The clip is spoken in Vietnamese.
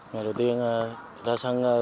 ngày đầu tiên ra sân